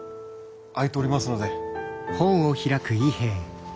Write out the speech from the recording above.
空いておりますので。